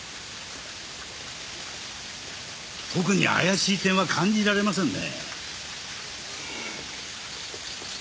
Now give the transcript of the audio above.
特に怪しい点は感じられませんね。